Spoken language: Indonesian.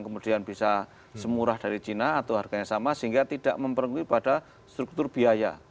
kemudian bisa semurah dari cina atau harganya sama sehingga tidak memperkui pada struktur biaya